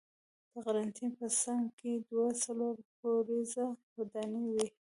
د قرنتین په څنګ کې دوه څلور پوړیزه ودانۍ وې.